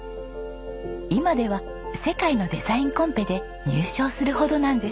今では世界のデザインコンペで入賞するほどなんです。